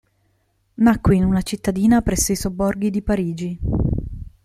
Nacque in una cittadina presso i sobborghi di Parigi.